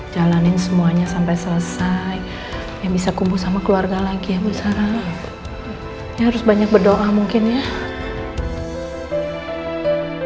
jalanin semuanya sampai selesai